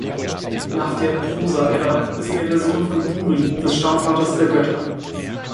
Nach der "Prosa-Edda" ist er der Sohn von Buri, des Stammvaters der Götter.